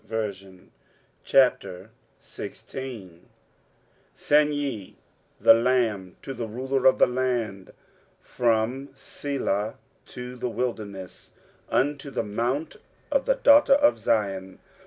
23:016:001 Send ye the lamb to the ruler of the land from Sela to the wilderness, unto the mount of the daughter of Zion.